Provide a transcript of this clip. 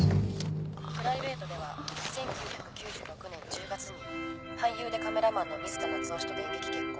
プライベートでは１９９６年１０月に俳優でカメラマンの水田夏雄氏と電撃結婚。